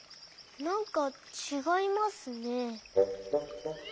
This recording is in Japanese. なんかちがいますね。